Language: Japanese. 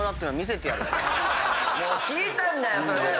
もう聞いたんだよそれ！